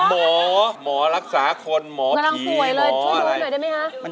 หมอหมอรักษาคนหมอผีหมออะไร